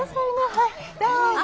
はいどうぞ。